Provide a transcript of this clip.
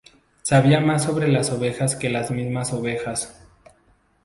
Sabía más sobre ovejas que las mismas ovejas.